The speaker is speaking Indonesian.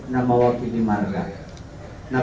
yang memiliki kekuasaan